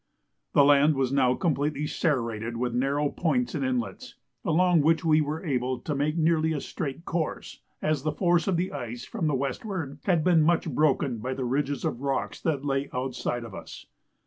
The land was now completely serrated with narrow points and inlets, along which we were able to make nearly a straight course, as the force of the ice from the westward had been much broken by ridges of rocks that lay outside of us.